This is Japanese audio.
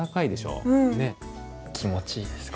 気持ちいいですこれ。